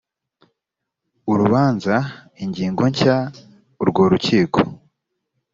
urubanza ingingo nshya urwo rukiko